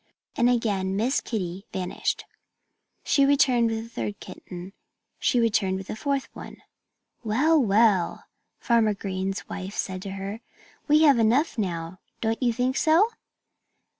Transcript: And again Miss Kitty vanished. She returned with a third kitten; she returned with a fourth one. "Well, well!" Farmer Green's wife said to her. "We have enough now don't you think so?"